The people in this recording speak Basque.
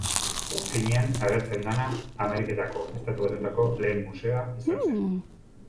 Finean, agertzen dena Ameriketako Estatu Batuetako lehen museoa izan zen.